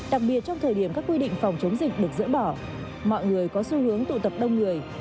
đặc biệt trong thời điểm các quy định phòng chống dịch được dỡ bỏ mọi người có xu hướng tụ tập đông người